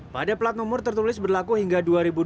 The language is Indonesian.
pada plat nomor tertulis berlaku hingga dua ribu dua puluh